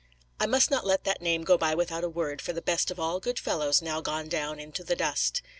I must not let that name go by without a word for the best of all good fellows now gone down into the dust.